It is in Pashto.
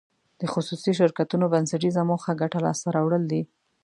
د خصوصي شرکتونو بنسټیزه موخه ګټه لاس ته راوړل دي.